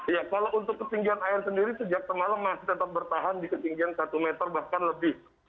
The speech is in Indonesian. ya kalau untuk ketinggian air sendiri sejak semalam masih tetap bertahan di ketinggian satu meter bahkan lebih